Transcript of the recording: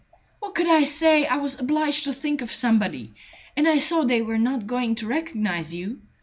"What could I say? I was obliged to think of somebody, and I saw they were not going to recognize you.